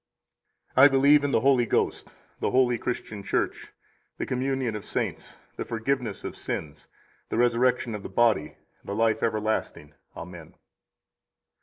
34 I believe in the Holy Ghost; the holy Christian Church, the communion of saints; the forgiveness of sins; the resurrection of the body; and the life everlasting. Amen.